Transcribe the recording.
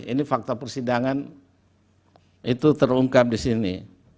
ini fakta persidangan itu terungkap di sini